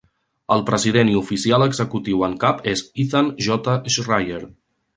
El president i oficial executiu en cap és Ethan J. Schreier.